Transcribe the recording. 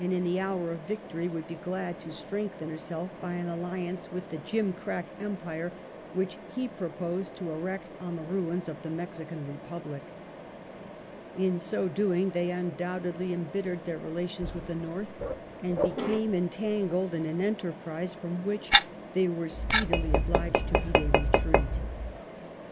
227 in the hour of yictory would be glad to strengthen herself by an alliance with the gimcrack Empire whiek he proposed to erect on the ruins of the Mexican Re public. In so doing, they undoubtedly embittered thei^ relations with the North, and became entangled in an en terprise from which they were speedily obliged to beat a retreat.